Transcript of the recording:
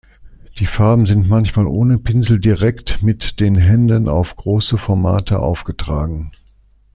Die Farben sind manchmal ohne Pinsel direkt mit den Händen auf große Formate aufgetragen.